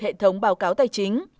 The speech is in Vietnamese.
hệ thống báo cáo tài chính